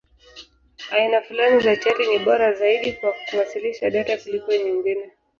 Aina fulani za chati ni bora zaidi kwa kuwasilisha data kuliko nyingine.